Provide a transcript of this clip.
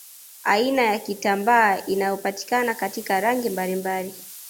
Aina ya kitambaa inayopatikana katika rangi mbalimbali